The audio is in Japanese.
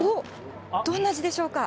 どんな字でしょうか。